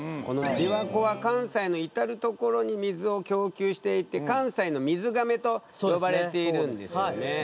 このびわ湖は関西の至る所に水を供給していて関西の水がめと呼ばれているんですよね。